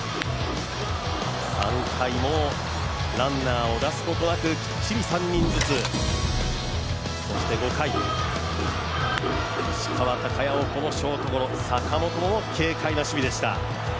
３回もランナーを出すことなくきっちり３人ずつ、そして５回、石川昂弥をこのショートゴロ坂本も軽快な守備でした。